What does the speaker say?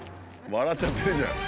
笑っちゃってるじゃない。